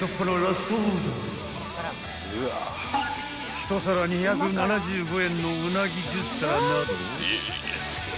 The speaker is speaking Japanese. ［１皿２７５円のうなぎ１０皿など］